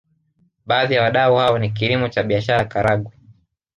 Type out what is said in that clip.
Baadhi ya wadau hao ni kilimo cha biashara Karagwe